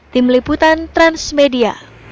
tim liputan transmedia